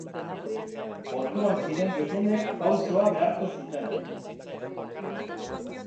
Portuan ziren gehienek pausoa behartu zuten.